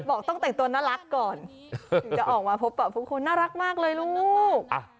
บอกต้องแต่งตัวน่ารักก่อนอย่าออกมาพบป่าผู้คนน่ารักมากเลยลูก